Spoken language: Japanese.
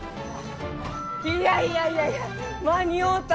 いやいやいやいや間に合うた！